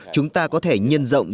chúng ta có thể nhân rộng